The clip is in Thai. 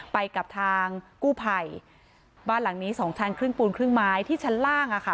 ไปกับทางกู้ภัยบ้านหลังนี้สองทางครึ่งปูนครึ่งไม้ที่ชั้นล่างอ่ะค่ะ